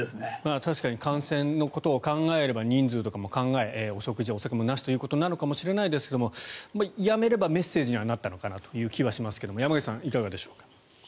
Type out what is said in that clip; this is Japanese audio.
確かに感染のことを考えれば人数とかも考え食事、酒もなしということかもしれませんがやめればメッセージになった気もしますが山口さん、いかがでしょう。